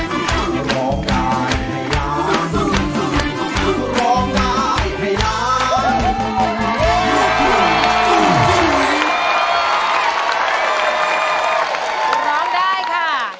คุณร้องได้ค่ะ